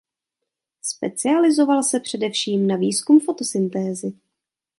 Specializoval se především na výzkum fotosyntézy.